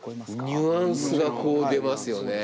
ニュアンスがこう出ますよね。